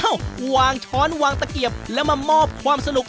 วางช้อนวางตะเกียบแล้วมามอบความสนุก